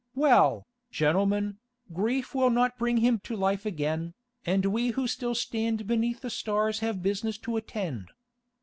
Well, gentlemen, grief will not bring him to life again, and we who still stand beneath the stars have business to attend.